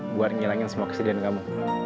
buat ngilangin semua presiden kamu